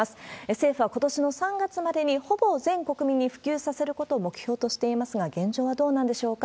政府はことしの３月までにほぼ全国民に普及させることを目標としていますが、現状はどうなんでしょうか。